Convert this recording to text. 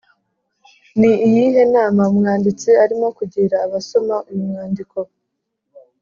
Ni iyihe nama umwanditsi arimo kugira abasoma uyu mwandiko?